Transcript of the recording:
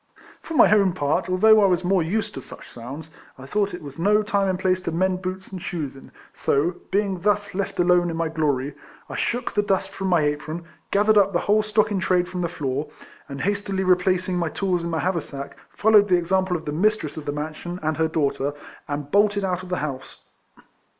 For my own part, although I was more used to such sounds, I thought it was no time and place to mend boots and shoes in, so, being thus left alone in my glory, I shook the dust from my apron, gathered up the whole stock in trade from the floor, and hastily replacing my tools in my haversack, followed the example of the mistress of the mansion and her daughter, and bolted out of the house.